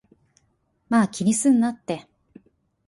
まぁ、気にすんなって